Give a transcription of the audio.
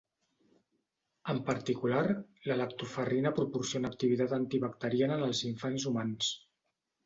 En particular, la lactoferrina proporciona activitat antibacteriana en els infants humans.